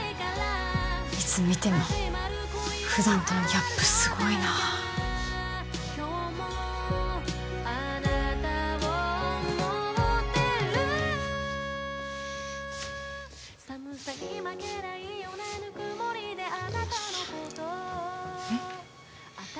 いつ見ても普段とのギャップすごいなあえっ？